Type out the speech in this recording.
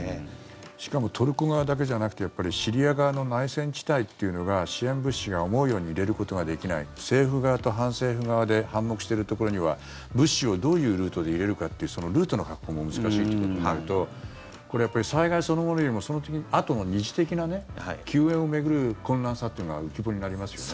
しかもトルコ側だけじゃなくてシリア側の内戦地帯っていうのが支援物資が思うように入れることができない政府側と反政府側で反目してるところには物資をどういうルートで入れるかっていうルートの確保も難しいということになると災害そのものよりもそのあとの二次的な救援を巡る困難さっていうのが浮き彫りになりますよね。